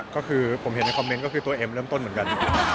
ก็คือผมเห็นในคอมเมนต์ก็คือตัวเอ็มเริ่มต้นเหมือนกัน